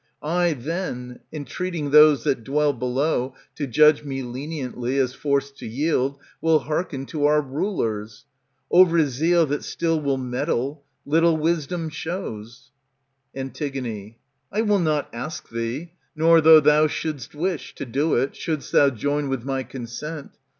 I then, entreating those that dwell below, To judge me leniently, as forced to yield, Will hearken to our rulers. Over zeal That still will meddle, little wisdom shows. Afitig, I will not ask thee, nor though thou should'st wish To do it, should'st thou join with my consent.